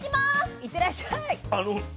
いってらっしゃい。